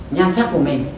nhân sắc của mình